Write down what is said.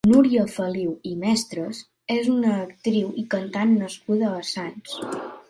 Núria Feliu i Mestres és una actriu i cantant nascuda a Sants.